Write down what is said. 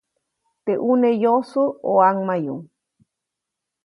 Teʼ ʼune ¿yosu o ʼaŋmayu?